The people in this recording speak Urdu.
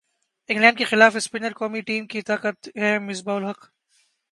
انگلینڈ کیخلاف اسپنرز قومی ٹیم کی طاقت ہیں مصباح الحق